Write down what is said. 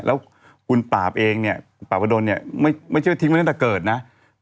แล้วคุณปราบเองปราบประดนไม่ใช่ว่าทิ้งมาตั้งแต่เกิดนะ